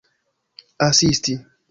asisti